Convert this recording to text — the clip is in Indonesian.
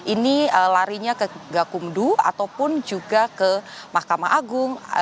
ini larinya ke gakumdu ataupun juga ke mahkamah agung